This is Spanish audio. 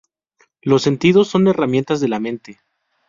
Los sentidos son herramientas de la mente.